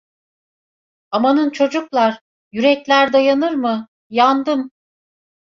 Amanın çocuklar… Yürekler dayanır mı… Yandım!